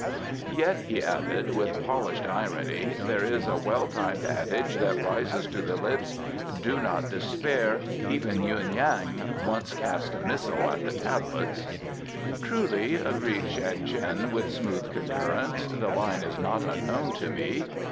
"Yet," he added, with polished irony, "there is a well timed adage that rises to the lips: 'Do not despair; even Yuen Yan once cast a missile at the Tablets!'" "Truly," agreed Shan Tien, with smooth concurrence, "the line is not unknown to me.